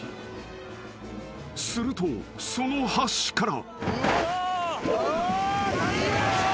［するとその橋から］